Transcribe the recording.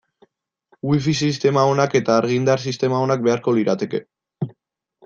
Wifi sistema onak eta argindar sistema onak beharko lirateke.